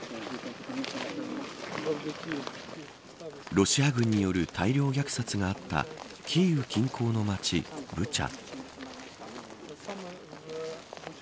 ロシア軍による大量虐殺があったキーウ近郊の街、ブチャ。